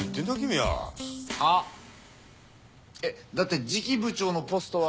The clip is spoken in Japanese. は？えっだって次期部長のポストは。